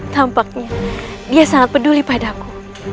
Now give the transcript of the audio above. tampaknya dia sangat peduli padaku